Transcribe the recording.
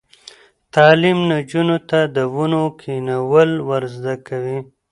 تعلیم نجونو ته د ونو کینول ور زده کوي.